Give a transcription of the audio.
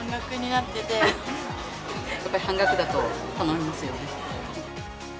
やっぱり半額だと、頼みますよね。